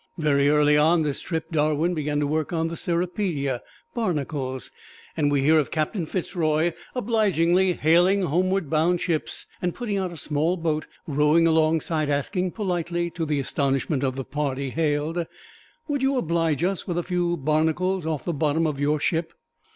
Very early on this trip Darwin began to work on the "Cirripedia" (barnacles), and we hear of Captain Fitz Roy obligingly hailing homeward bound ships, and putting out a small boat, rowing alongside, asking politely, to the astonishment of the party hailed, "Would you oblige us with a few barnacles off the bottom of your ship?"